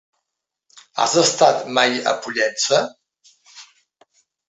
Has estat mai a Pollença?